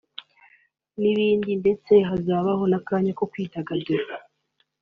n’ibindi ndetse hazabaho n’akanya ko kwidagadura